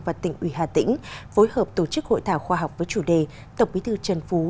và tỉnh ủy hà tĩnh phối hợp tổ chức hội thảo khoa học với chủ đề tổng bí thư trần phú